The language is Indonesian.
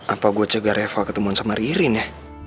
apa gue cegah reva ketemuan sama ririn ya